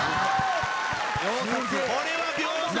これは秒殺。